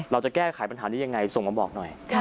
เราจะแก้ไขปัญหานี้ยังไงส่งมาบอกหน่อย